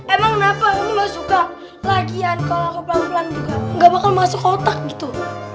emang kenapa lu gak suka lagian kalau aku pelan pelan juga nggak bakal masuk kotak gitu